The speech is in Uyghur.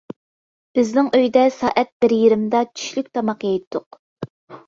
بىزنىڭ ئۆيدە سائەت بىر يېرىمدا چۈشلۈك تاماق يەيتتۇق.